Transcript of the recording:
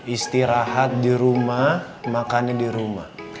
istirahat di rumah makannya di rumah